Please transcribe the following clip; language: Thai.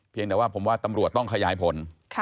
แต่ว่าผมว่าตำรวจต้องขยายผล